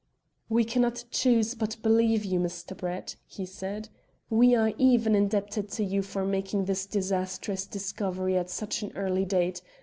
"We cannot choose but believe you, Mr. Brett," he said. "We are even indebted to you for making this disastrous discovery at such an early date.